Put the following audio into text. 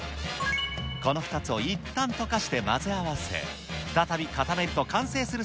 この２つをいったん溶かして混ぜ合わせ、再び固めると、完成する